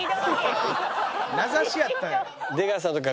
名指しやったんや。